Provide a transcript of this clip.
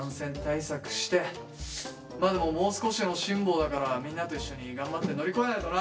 まあでももう少しの辛抱だからみんなと一緒に頑張って乗り越えないとな！